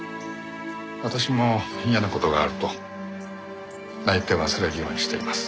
私も嫌な事があると泣いて忘れるようにしています。